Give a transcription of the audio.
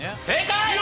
正解！